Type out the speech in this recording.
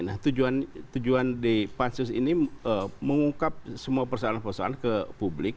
nah tujuan di pansus ini mengungkap semua persoalan persoalan ke publik